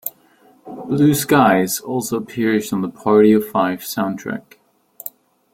"Blue Skies" also appears on the "Party of Five" soundtrack.